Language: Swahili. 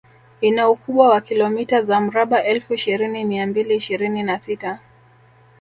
Ina ukubwa wa kilomita za mraba elfu ishirini mia mbili ishirini na sita